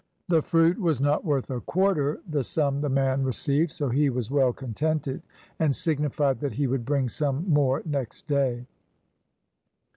The fruit was not worth a quarter the sum the man received, so he was well contented, and signified that he would bring some more next day.